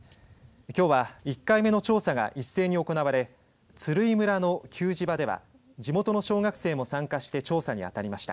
きょうは１回目の調査が一斉に行われ鶴居村の給餌場では地元の小学生も参加して調査にあたりました。